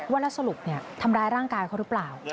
ว่าแล้วสรุปทำร้ายร่างกายเขาหรือเปล่า